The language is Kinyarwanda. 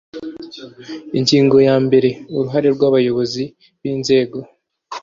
Ingingo ya mbere Uruhare rw abayobozi b inzego